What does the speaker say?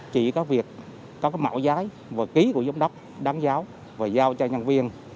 chỉ có việc có mẫu giấy và ký của giám đốc đáng giáo và giao cho nhân viên